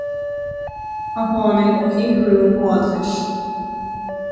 A tháinig ó shaothrú a ghabhaltais.